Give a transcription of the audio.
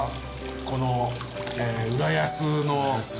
この浦安の旅。